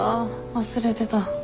忘れてた。